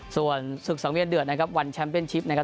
ส่วนศึกสังเวียนเดือดนะครับวันแชมป์เป็นชิปนะครับ